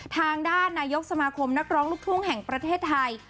ทางด้านนายกสมาคมนักร้องลูกทุ่งแห่งประเทศไทย